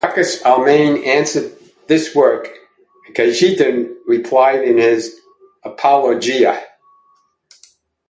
Jacques Almain answered this work, and Cajetan replied in his "Apologia".